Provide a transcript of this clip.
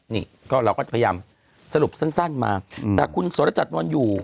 นี่ก็เราก็จะพยายามสรุปสั้นมาแต่คุณสรจัดนอนอยู่